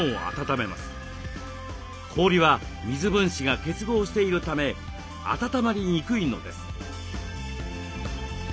氷は水分子が結合しているため温まりにくいのです。